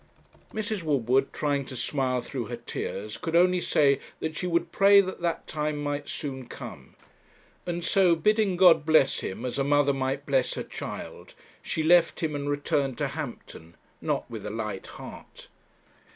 Mrs. Woodward, trying to smile through her tears, could only say that she would pray that that time might soon come; and so, bidding God bless him, as a mother might bless her child, she left him and returned to Hampton, not with a light heart.